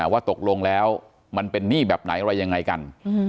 ว่าตกลงแล้วมันเป็นหนี้แบบไหนอะไรยังไงกัน